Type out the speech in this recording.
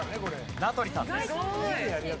名取さんです。